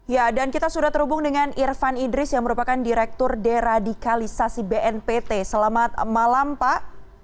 ya dan kita sudah terhubung dengan irfan idris yang merupakan direktur deradikalisasi bnpt selamat malam pak